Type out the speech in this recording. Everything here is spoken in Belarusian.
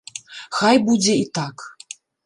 Хай будзе і так!